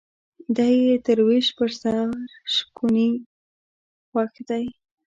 دى يې تر ويش په سر شکوني خوښ دى.